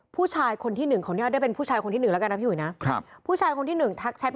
พูดถึงเป็นคนหนึ่ง